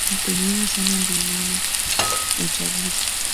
mtu muhimu sana ndio mama uchaguzi